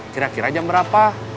kira kira jam berapa